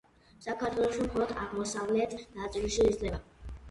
საქართველოში მხოლოდ აღმოსავლეთ ნაწილში იზრდება.